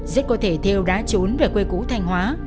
rất có thể theo đã trốn về quê cũ thanh hóa